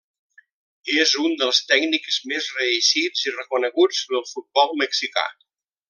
És un dels tècnics més reeixits i reconeguts del futbol mexicà.